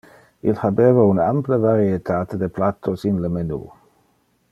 Il habeva un ample varietate de plattos in le menu.